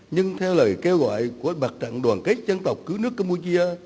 nhưng theo lời kêu gọi của bạc trạng đoàn kết dân tộc cứu nước campuchia